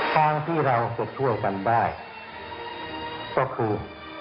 ทางที่เราจะช่วยกันได้ก็คือ